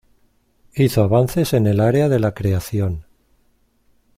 Hizo avances en el área de la creación.